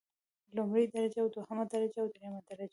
لومړۍ درجه او دوهمه درجه او دریمه درجه.